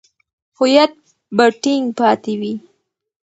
هویت به ټینګ پاتې وي.